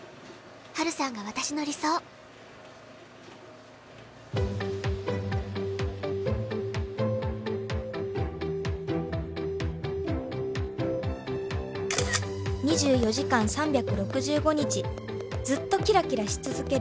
「ハルさんが私の理想」「２４時間３６５日ずっとキラキラし続ける」